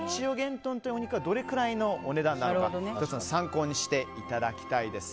豚というお肉がどれくらいのお値段なのか１つの参考にしていただきたいです。